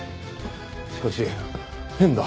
しかし変だ。